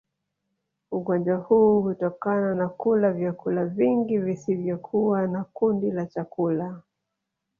ugonjwa huu hutokana na kula vyakula vingi visivyokuwa na kundi la chakula